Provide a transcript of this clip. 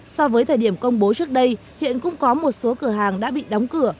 so với thời điểm công bố trước đây hiện cũng có một số cửa hàng đã bị đóng cửa